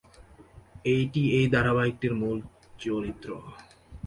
এটি এই ধারাবাহিকটির মূল চরিত্র।